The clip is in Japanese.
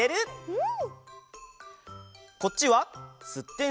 うん！